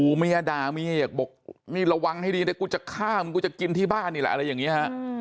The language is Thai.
เมียด่าเมียอยากบอกนี่ระวังให้ดีเดี๋ยวกูจะฆ่ามึงกูจะกินที่บ้านนี่แหละอะไรอย่างนี้ฮะ